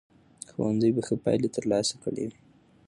ښوونځي به ښه پایلې ترلاسه کړې وي.